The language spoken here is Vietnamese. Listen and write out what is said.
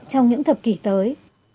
trong những thập kỷ tới